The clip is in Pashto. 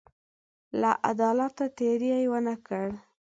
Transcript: له عدالته تېری ونه کړ.